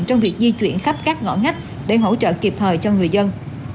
trong việc di chuyển khắp các ngõ ngách để hỗ trợ kịp thời cho người dân